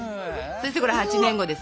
そしてこれ８年後です